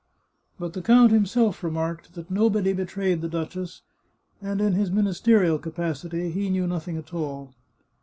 But the count himself remarked that nobody betrayed the duchess, and, in his ministerial capacity, he knew nothing at all.